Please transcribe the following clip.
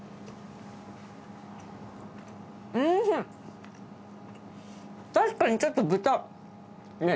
うん確かにちょっと豚。ねぇ